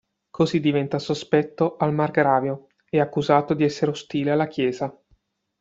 Così diventa sospetto al Margravio; è accusato di essere ostile alla Chiesa.